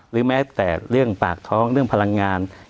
แม้แต่เรื่องปากท้องเรื่องพลังงาน